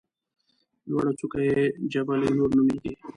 لوړه څوکه یې جبل نور نومېږي.